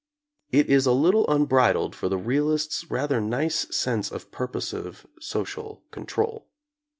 It is a little unbridled for the realist's rather nice sense of purposive social control.